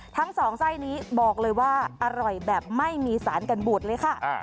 ทั้งสองไส้นี้บอกเลยว่าอร่อยแบบไม่มีสารกันบูดเลยค่ะ